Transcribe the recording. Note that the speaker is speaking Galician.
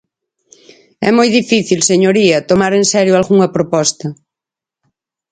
É moi difícil, señoría, tomar en serio algunha proposta.